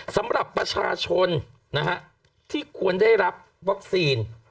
สำหรับประชาชนที่ควรได้รับวัคซีน